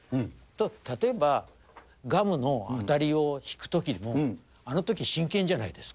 例えば、ガムの当たりを引くときでも、あのとき、真剣じゃないですか。